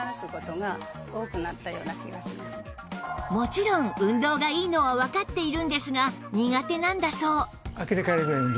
もちろん運動がいいのはわかっているんですが苦手なんだそう